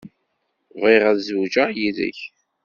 Bɣiɣ ad zewǧeɣ yid-k.